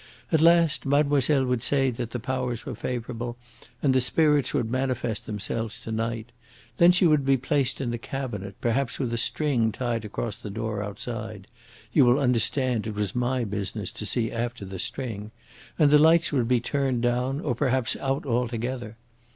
At last mademoiselle would say that the powers were favourable and the spirits would manifest themselves to night. Then she would be placed in a cabinet, perhaps with a string tied across the door outside you will understand it was my business to see after the string and the lights would be turned down, or perhaps out altogether.